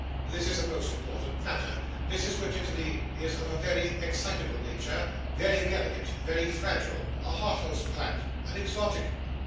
This is a most important matter. Mrs Wititterly is of a very excitable nature; very delicate, very fragile; a hothouse plant, an exotic.